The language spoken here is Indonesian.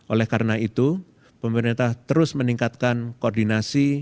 oleh karena itu pemerintah terus meningkatkan koordinasi